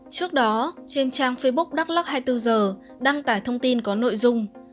trước đó trên trang facebook đắk lắc hai mươi bốn h đăng tải thông tin có nội dung